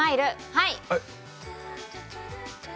はい。